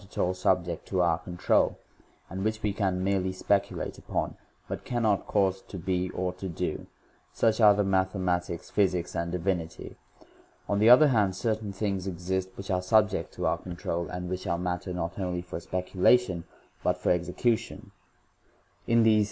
at all subject.tD our control, and which we can merely speculate upon, b ut cannot cause to be or to do ; suchare maxhsiaiL tics, physics, and divinity j. On the other hand, certain things exist which are subject to our con ijjtrol, and which are matter not only for specu U 2, Each book of the De Men.